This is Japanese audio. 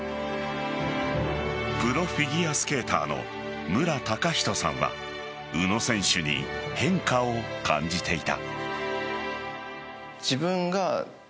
プロフィギュアスケーターの無良崇人さんは宇野選手に変化を感じていた。